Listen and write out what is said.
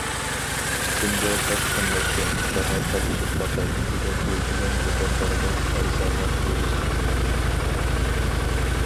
ئىچىمدە: بەك قىممەتكەن، باھا تالىشىپ باقاي، دېگەن ئوي بىلەن، دۇكاندارغا ئەرزانراق بېرىشنى ئېيتتىم.